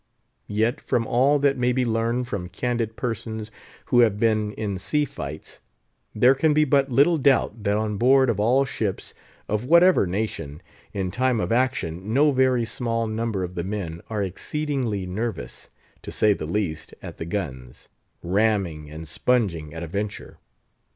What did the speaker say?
Yet, from all that may be learned from candid persons who have been in sea fights, there can be but little doubt that on board of all ships, of whatever nation, in time of action, no very small number of the men are exceedingly nervous, to say the least, at the guns; ramming and sponging at a venture.